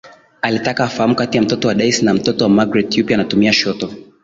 Alitaka afahamu kati ya mtoto wa Daisy na Mtoto wa Magreth yupi anatumia shoto